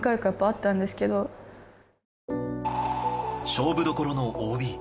勝負どころのＯＢ。